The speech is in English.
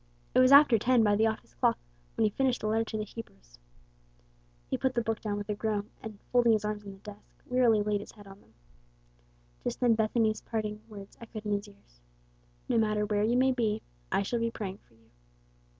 It was after ten by the office clock when he finished the letter to the Hebrews. He put the book down with a groan, and, folding his arms on the desk, wearily laid his head on them. Just then Bethany's parting words echoed in his ears, "No matter where you may be, I shall be praying for you."